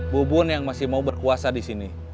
bubun yang masih mau berkuasa di sini